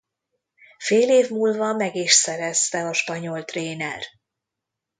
Fél év múlva meg is szerezte a spanyol tréner.